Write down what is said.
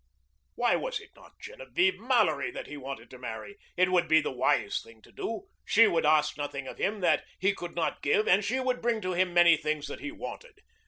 Why was it not Genevieve Mallory that he wanted to marry? It would be the wise thing to do. She would ask nothing of him that he could not give, and she would bring to him many things that he wanted.